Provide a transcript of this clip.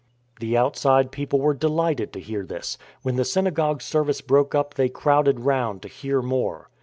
The outside people were delighted to hear this. When the synagogue service broke up they crowded round to hear more.